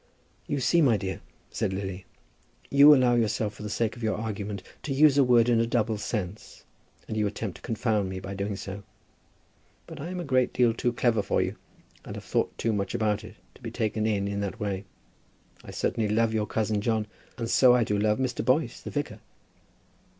"You see, my dear," said Lily, "you allow yourself, for the sake of your argument, to use a word in a double sense, and you attempt to confound me by doing so. But I am a great deal too clever for you, and have thought too much about it, to be taken in in that way. I certainly love your cousin John; and so I do love Mr. Boyce, the vicar."